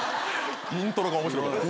イントロが面白かった。